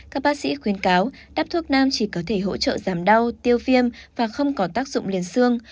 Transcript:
các bác sĩ khuyến cáo đắp thuốc nam chỉ có thể hỗ trợ giảm đau tiêu viêm và không có tác dụng liền xương